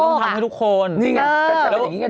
นี่แหละตั้งแต่นี้ก็เด้อ